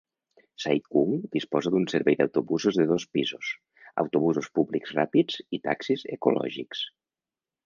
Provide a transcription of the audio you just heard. Sai Kung disposa d'un servei d'autobusos de dos pisos, autobusos públics ràpids i taxis ecològics.